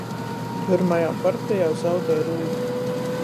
Pyrmajā partejā zaudej Rūde.